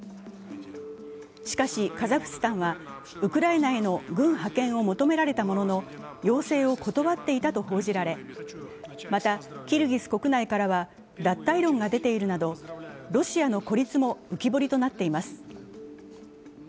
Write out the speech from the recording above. しかし、カザフスタンはウクライナへの軍派遣を求められたものの要請を断っていたと報じられ、またキルギス国内からは脱退論が出ているなどロシアの孤立も浮き彫りとなっています。